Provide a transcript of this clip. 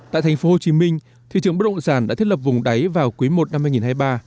tại thành phố hồ chí minh thị trường bất động sản đã thiết lập vùng đáy vào cuối một năm hai nghìn hai mươi ba